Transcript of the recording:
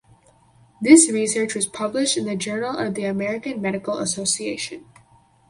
This research was published in the Journal of the American Medical Association.